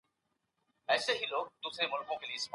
آیا د مرچو ډېر خوړل په معده کې د زخمونو سبب کیدای شي؟